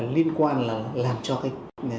liên quan là làm cho cái